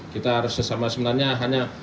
kita harus sesama sebenarnya hanya